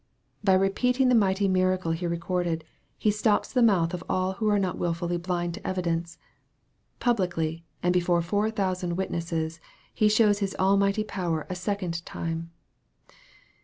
By repeating the mighty miracle here recorded, He stops the mouth of all who are not wilfully blind to evidence. Publicly, and before four thousand witnesses, He shows His almighty power a second time.